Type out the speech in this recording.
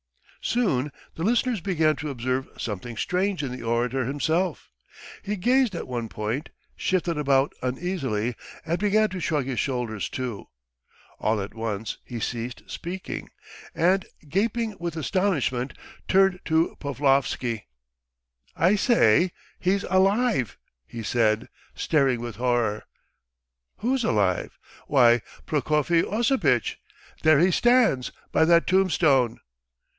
Soon the listeners began to observe something strange in the orator himself. He gazed at one point, shifted about uneasily and began to shrug his shoulders too. All at once he ceased speaking, and gaping with astonishment, turned to Poplavsky. "I say! he's alive," he said, staring with horror. "Who's alive?" "Why, Prokofy Osipitch, there he stands, by that tombstone!"